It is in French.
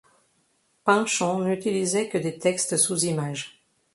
Pinchon n’utilisait que des textes sous images.